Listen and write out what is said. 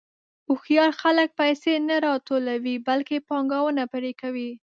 هوښیار خلک پیسې نه راټولوي، بلکې پانګونه پرې کوي.